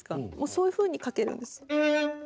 そういうふうにかけるんです。